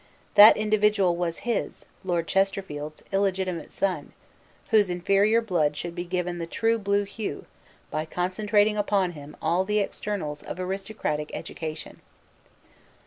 That individual was his, Lord Chesterfield's, illegitimate son, whose inferior blood should be given the true blue hue by concentrating upon him all the externals of aristocratic education.